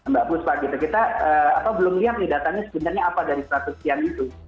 mbak buspa kita belum lihat nih datanya sebenarnya apa dari status yang itu